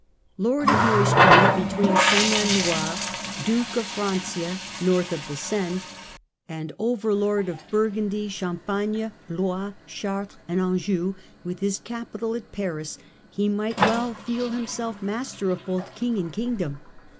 Lord of Neustria, between Seine and Loire, duke of "Francia," north of the Seine, and overlord of Burgundy, Champagne, Blois, Chartres and Anjou, with his capital at Paris, he might well feel himself master of both king and kingdom.